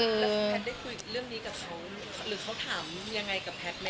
แล้วแพทย์ได้คุยเรื่องนี้กับเขาหรือเขาถามยังไงกับแพทย์ไหม